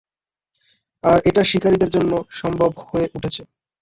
আর এটা শিকারীদের জন্যই সম্ভব হয়ে উঠেছে।